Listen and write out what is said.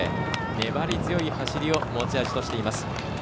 粘り強い走りを持ち味としています。